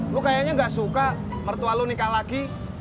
lu kayaknya gak suka mertua lo nikah lagi